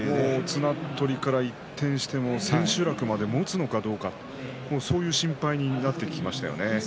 綱取りから一転して千秋楽までもつかどうか心配になってきましたよね。